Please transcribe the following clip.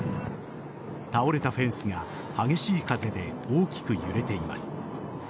倒れたフェンスが激しい風で大きく揺れています。